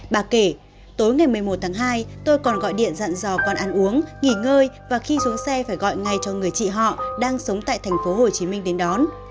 bà kể tối ngày một mươi một tháng hai tôi còn gọi điện dặn dò con ăn uống nghỉ ngơi và khi xuống xe phải gọi ngay cho người chị họ đang sống tại tp hcm đến đón